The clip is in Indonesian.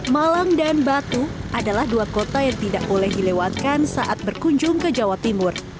malang dan batu adalah dua kota yang tidak boleh dilewatkan saat berkunjung ke jawa timur